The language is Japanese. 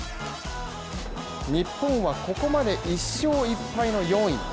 日本はここまで１勝１敗の４位。